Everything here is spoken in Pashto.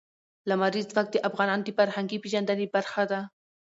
لمریز ځواک د افغانانو د فرهنګي پیژندنې برخه ده.